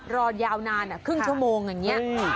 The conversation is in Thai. รอยาวนานครึ่งชั่วโมงอย่างนี้